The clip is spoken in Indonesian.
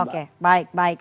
oke baik baik